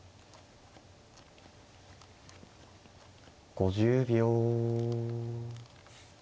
５０秒。